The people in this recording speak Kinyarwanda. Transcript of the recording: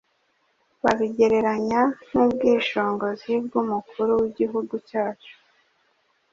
babigereranya nk’ubwishongozi bwumukuru wigihugu cyacu